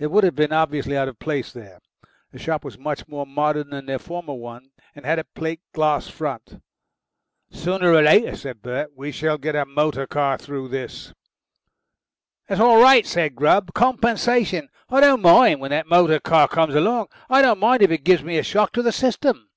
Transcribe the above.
It would have been obviously out of place there. The shop was much more modern than their former one, and had a plate glass front. "Sooner or later," said Bert, "we shall get a motor car through this." "That's all right," said Grubb. "Compensation. I don't mind when that motor car comes along. I don't mind even if it gives me a shock to the system."